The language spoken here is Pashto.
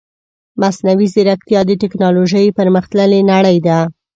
مصنوعي ځيرکتيا د تکنالوژي پرمختللې نړۍ ده .